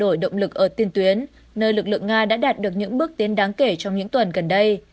nó sẽ thay đổi động lực ở tiên tuyến nơi lực lượng nga đã đạt được những bước tiến đáng kể trong những tuần gần đây